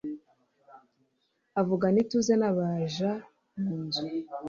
avugana ituze n'abaja mu nzu